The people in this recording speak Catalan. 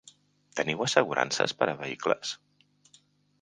Teniu assegurances per a vehicles?